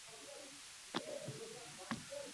Internet sahifalarida bor edi